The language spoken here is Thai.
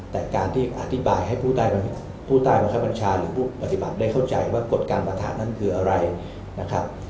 แต่การที่อธิบายให้ผู้ใต้บังคับบัญชาหรือผู้ปฏิบัติได้เข้าใจว่ากฎการประธานนั้นคืออะไรนะครับ